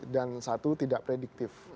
dan satu tidak prediktif